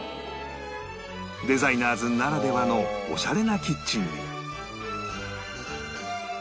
デザイナーズならではのオシャレなキッチンに